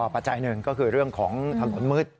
ปัจจัยหนึ่งก็คือเรื่องของถนนมืด